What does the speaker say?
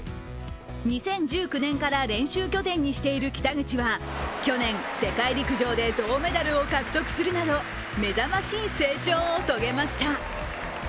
２０１９年から練習拠点にしている北口は去年、世界陸上で銅メダルを獲得するなどめざましい成長を遂げました。